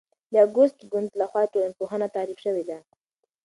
د اګوست کُنت لخوا ټولنپوهنه تعریف شوې ده.